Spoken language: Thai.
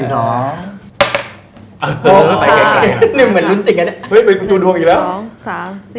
๑เหมือนลุ้นจริงกัน